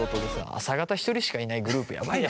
朝型１人しかいないグループやばいよね。